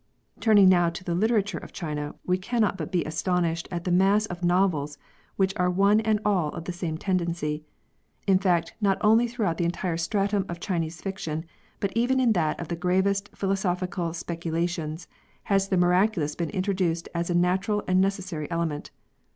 Turning now to the literature of China, we cannot but be astonished at the mass of novels which are one and all of the same tendency ; in fact, not only through out the entire stratum of Chinese fiction, but even in that of the gravest philosophical speculations, has the miraculous been introduced as a natural and necessary element.